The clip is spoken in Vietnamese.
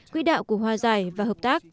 quỹ đạo của hòa giải và hợp tác